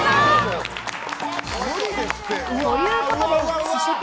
無理ですって。